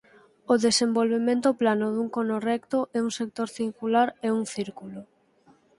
O desenvolvemento plano dun cono recto é un sector circular e un círculo.